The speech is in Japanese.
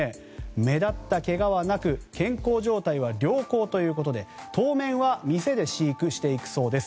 目立ったけがはなく健康状態は良好ということで当面は、店で飼育していくそうです。